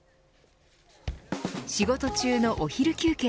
仕事中のお昼休憩